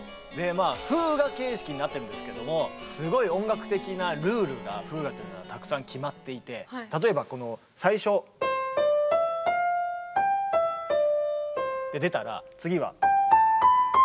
フーガ形式になってるんですけどもすごい音楽的なルールがフーガってのはたくさん決まっていて例えばこの最初。で出たら次は。